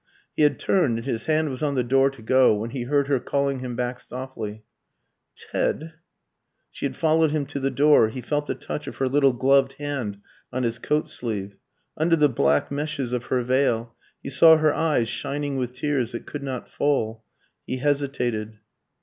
He had turned, and his hand was on the door to go, when he heard her calling him back softly. "Ted " She had followed him to the door, he felt the touch of her little gloved hand on his coat sleeve; under the black meshes of her veil he saw her eyes shining with tears that could not fall. He hesitated.